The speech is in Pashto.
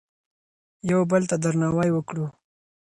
یو بل ته درناوی وکړو.